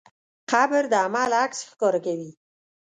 قبر د عمل عکس ښکاره کوي.